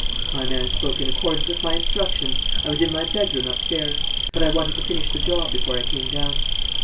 "My man spoke in accordance with my instructions, I was in my bedroom, upstairs. But I wanted to finish the job before I came down."